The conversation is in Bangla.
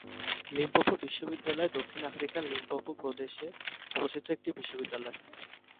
লিম্পোপো বিশ্ববিদ্যালয় দক্ষিণ আফ্রিকার লিম্পোপো প্রদেশে অবস্থিত একটি বিশ্ববিদ্যালয়।